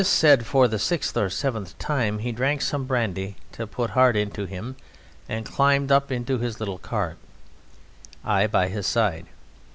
This said for the sixth or seventh time, he drank some brandy to put heart into him and climbed up into his little cart, I by his side.